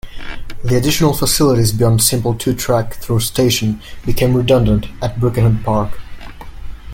The additional facilities beyond a simple two-track through station became redundant at Birkenhead Park.